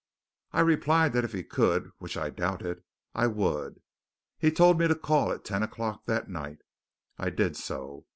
I replied that if he could which I doubted I would. He told me to call at ten o'clock that night. I did so.